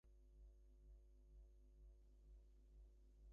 Denver Tramway was the first trolley line in Denver.